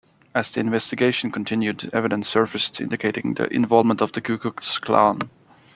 As the investigation continued, evidence surfaced indicating the involvement of the Ku Klux Klan.